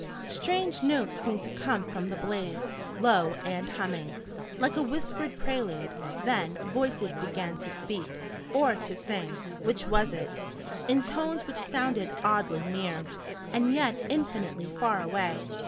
Strange notes seemed to come from the blaze, low and humming, like a whispered prelude, then voices began to speak, or to sing which was it? in tones which sounded oddly near, and yet infinitely far away.